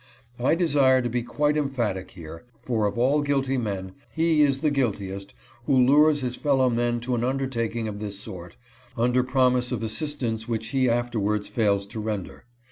I desire to be quite emphatic here, for of all guilty men, he is the JOHN brown's ghost. 381 guiltiest who lures his fellow men to an undertaking of this sort, under promise of assistance which he afterwards fails to render.